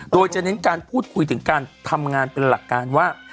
โดยจะเน้นการพูดคุยถึงการทำงานเป็นหลักการว่า